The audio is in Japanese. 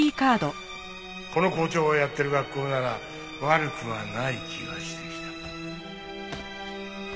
この校長がやってる学校なら悪くはない気がしてきた。